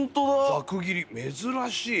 ざく切り珍しい。